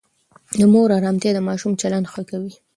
د مور آرامتیا د ماشوم چلند ښه کوي.